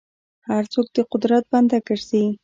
هر څوک د قدرت بنده ګرځي.